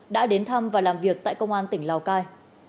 đã đến thăm và làm việc tại công an tỉnh lào cai